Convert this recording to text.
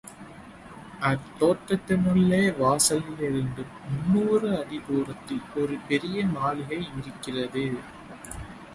அத்தோட்டத்தினுள்ளே வாசலிலிருந்து முன்னூறு அடி தூரத்தில் ஒரு பெரிய மாளிகை இருக்கிறது.